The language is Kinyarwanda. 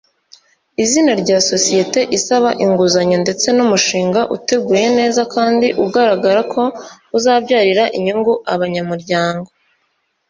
Izina rya sosiyete isaba inguzanyo ndetse n’umushinga uteguye neza kandi ugaragara ko uzabyarira inyungu abanyamuryango.